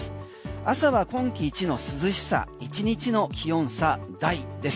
朝は今季一の涼しさ１日の気温差大です。